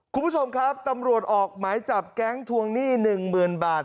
คุณผู้ชมครับตำรวจออกหมายจับแก๊งทวงหนี้๑๐๐๐บาท